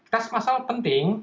tes massal penting